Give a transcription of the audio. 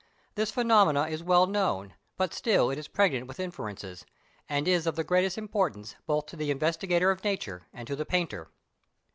This phenomenon is well known, but still it is pregnant with inferences, and is of the greatest importance both to the investigator of nature and to the painter.